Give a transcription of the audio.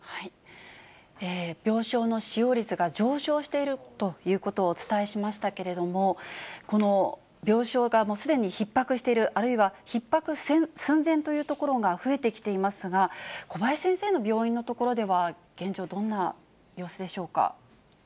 病床の使用率が上昇しているということをお伝えしましたけれども、この病床がすでにひっ迫している、あるいはひっ迫寸前というところが増えてきていますが、小林先生の病院の所では、現状、どんな様子でしょうか。